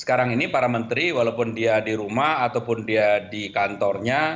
sekarang ini para menteri walaupun dia di rumah ataupun dia di kantornya